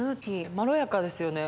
まろやかですよね。